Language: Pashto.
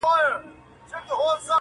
د ښایستونو خدایه سر ټيټول تاته نه وه.